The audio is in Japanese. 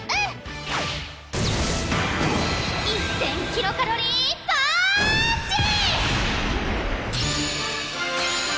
１０００キロカロリーパーンチ！